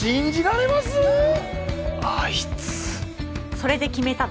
それで決めたの。